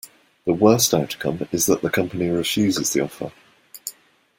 The worst outcome is that the company refuses the offer.